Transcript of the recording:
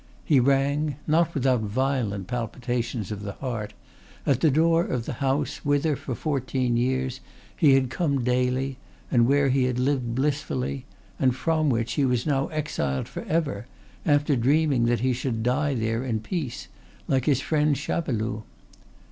He rang, not without violent palpitations of the heart, at the door of the house whither, for fourteen years, he had come daily, and where he had lived blissfully, and from which he was now exiled forever, after dreaming that he should die there in peace like his friend Chapeloud.